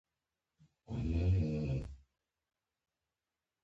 د انګلیسي ژبې زده کړه مهمه ده ځکه چې کاري فرصتونه زیاتوي.